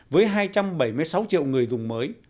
với hai trăm bảy mươi sáu triệu người dùng mới